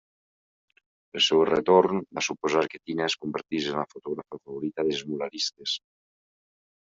El seu retorn va suposar que Tina es convertís en la fotògrafa favorita dels muralistes.